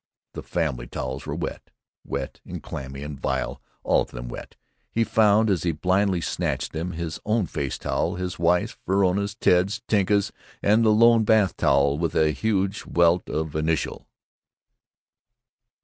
The family towels were wet, wet and clammy and vile, all of them wet, he found, as he blindly snatched them his own face towel, his wife's, Verona's, Ted's, Tinka's, and the lone bath towel with the huge welt of initial.